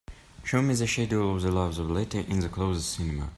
show me the schedule of The Loves of Letty in the closest cinema